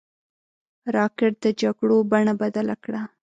راکټ د جګړو بڼه بدله کړه